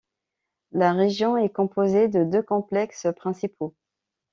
La région est composée de deux complexes principaux.